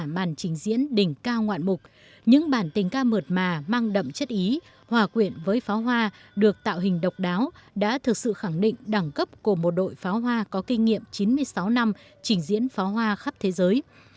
màn trình diễn đỉnh cao ngoạn mục những bản tình ca mượt mà mang đậm chất ý hòa quyện với pháo hoa được tạo hình độc đáo đã thực sự khẳng định đẳng cấp của một đội pháo hoa có kinh nghiệm chín mươi sáu năm trình diễn pháo hoa khắp thế giới